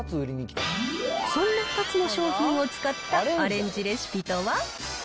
そんな２つの商品を使ったアレンジレシピとは。